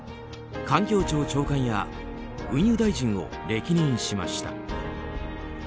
環境庁長官や運輸大臣を歴任しました。